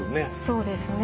そうですね。